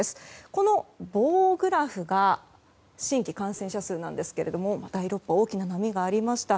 この棒グラフが新規感染者数ですが第６波、大きな波がありました。